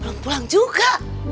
belum pulang juga